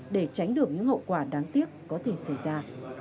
để tránh được những hậu quả đáng tiếc có thể xảy ra